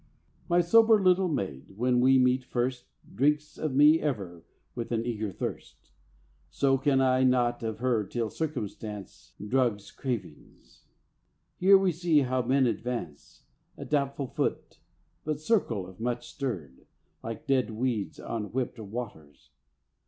My sober little maid, when we meet first, Drinks of me ever with an eager thirst. So can I not of her till circumstance Drugs cravings. Here we see how men advance A doubtful foot, but circle if much stirred, Like dead weeds on whipped waters.